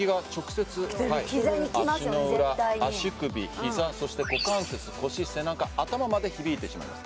絶対に足の裏足首膝そして股関節腰背中頭まで響いてしまいます